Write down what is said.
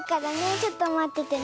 ちょっとまっててね。